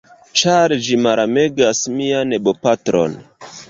ĉar ĝi malamegas mian bopatron.